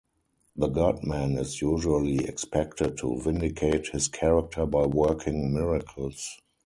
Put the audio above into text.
The god-man is usually expected to vindicate his character by working miracles.